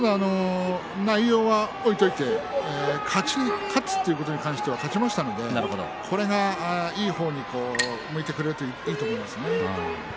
内容は置いておいて勝つということに関しては勝ちましたのでこれがいい方に向いてくれるといいと思いますね。